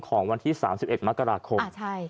ของวันที่๓๑มกราคม